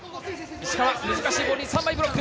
石川、難しいボールに３枚ブロック。